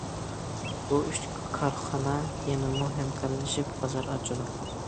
بۇ ئۈچ كارخانا يەنىمۇ ھەمكارلىشىپ، بازار ئاچىدۇ.